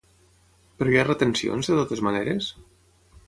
Però hi ha retencions, de totes maneres?